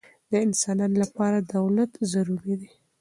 د انسانانو له پاره دولت ضروري دئ.